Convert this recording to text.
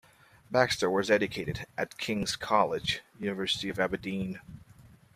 Baxter was educated at King's College, University of Aberdeen.